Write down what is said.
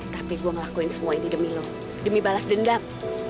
tapi gue ngelakuin semua ini demi loh demi balas dendam